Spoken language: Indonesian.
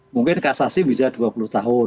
mungkin kasasi bisa dua puluh tahun